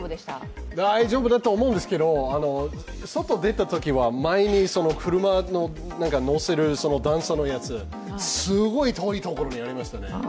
大丈夫だと思うんですけど、外に出たときは、車の段差のやつ、すごい遠いところにありましたね。